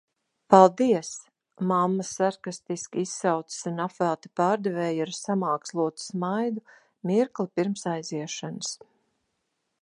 Paldies! mamma sarkastiski izsaucas un apvelta pārdevēju ar samākslotu smaidu mirkli pirms aiziešanas.